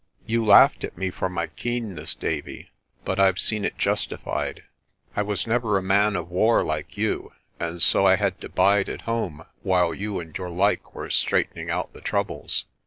You laughed at me for my keenness, Davie, but I've seen it justi fied. I was never a man of war like you, and so I had to bide at home while you and your like were straightening out the troubles.